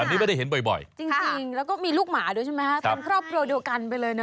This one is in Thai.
อันนี้ไม่ได้เห็นบ่อยจริงแล้วก็มีลูกหมาด้วยใช่ไหมฮะเป็นครอบครัวเดียวกันไปเลยนะ